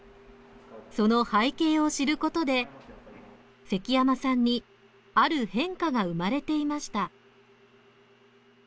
その背景を知ることで関山さんにある変化が生まれていました。